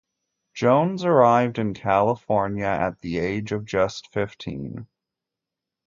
Jones arrived in California at the age of just fifteen.